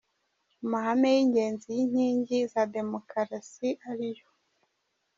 Mu mahame y’ingenzi y’inkingi za Demukarasi ariyo :